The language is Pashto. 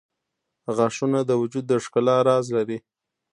• غاښونه د وجود د ښکلا راز لري.